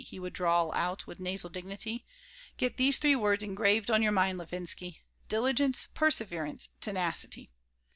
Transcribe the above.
he would drawl out, with nasal dignity. "Get these three words engraved on your mind, Levinsky. Diligence, perseverance, tenacity."